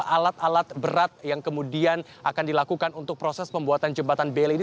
alat alat berat yang kemudian akan dilakukan untuk proses pembuatan jembatan baile ini